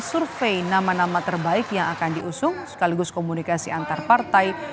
survei nama nama terbaik yang akan diusung sekaligus komunikasi antar partai